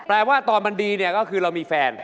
แปลว่าตอนมันดีก็คือเรามีแฟน